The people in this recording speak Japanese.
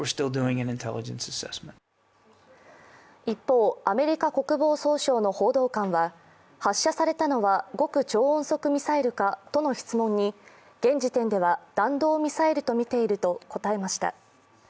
一方、アメリカ国防総省の報道官は、発射されたのは極超音速ミサイルかとの質問に、現時点では弾道ミサイルとみていると答えました。